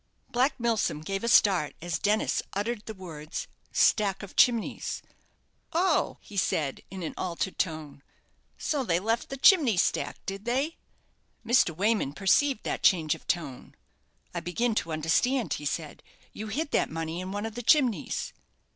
Black Milsom gave a start as Dennis uttered the words "stack of chimneys." "Oh!" he said, in an altered tone; "so they left the chimney stack, did they?" Mr. Wayman perceived that change of tone. "I begin to understand," he said; "you hid that money in one of the chimneys."